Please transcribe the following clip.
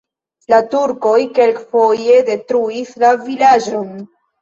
La turkoj kelkfoje detruis la vilaĝon.